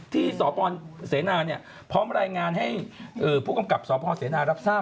ที่สปเสนาเนี่ยพร้อมรายงานให้ผู้กำกับสพเสนารับทราบ